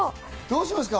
どうしますか？